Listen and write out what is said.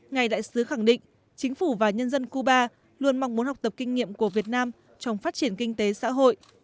ngài đại sứ khẳng định chính phủ và nhân dân cuba luôn mong muốn học tập kinh nghiệm của việt nam trong phát triển kinh tế xã hội